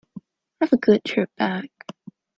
Have a good trip back.